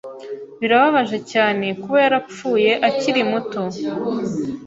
Birababaje cyane kuba yarapfuye akiri muto.